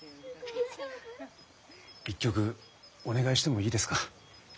１曲お願いしてもいいですか？